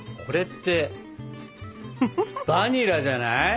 これってバニラじゃない？